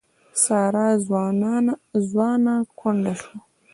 ساره ځوانه کونډه شوه.